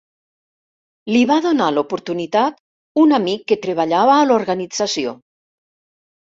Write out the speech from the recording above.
Li va donar l'oportunitat un amic que treballava a l'organització.